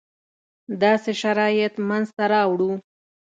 داسې شرایط منځته راوړو.